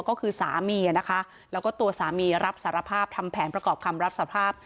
ก็คือสามีนะคะแล้วก็ตัวสามีรับสารภาพทำแผนประกอบคำรับสภาพ